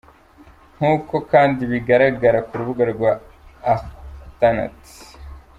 Nk’uko kandi bigaragara ku rubuga rwa alternet.